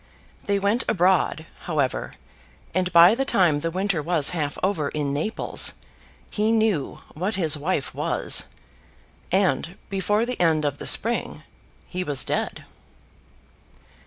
They went abroad, however; and by the time the winter was half over in Naples, he knew what his wife was; and before the end of the spring he was dead.